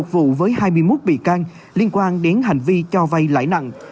một mươi một vụ với hai mươi một bị can liên quan đến hành vi cho vay lãi nặng